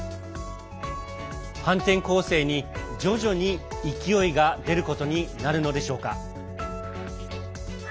反転攻勢に徐々に勢いが出ることになるのでしょうか。